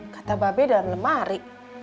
kata babe dalam lemari